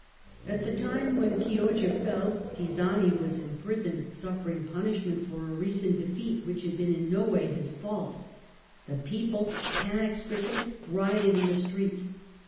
At the time when Chioggia fell Pisani was in prison, suffering punishment for a recent defeat, which had been in no way his fault. The people, panic stricken, rioted in the streets.